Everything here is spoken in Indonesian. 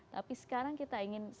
tapi sekarang kita ingin